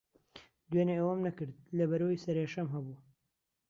دوێنێ ئەوەم نەکرد، لەبەرەوەی سەرێشەم ھەبوو.